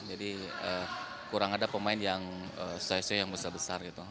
jadi kurang ada pemain yang size nya yang besar besar gitu